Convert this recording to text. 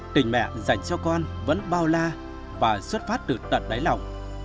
tình mẹ dành cho con vẫn bao la và xuất phát từ tận đáy lòng